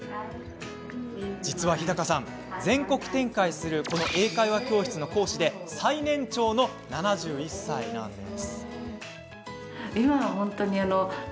実は日高さん、全国展開するこの英会話教室の講師で最年長の７１歳なんです。